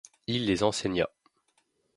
Il les enseigna.